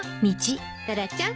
タラちゃん